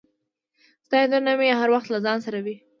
• ستا یادونه مې هر وخت له ځان سره وي.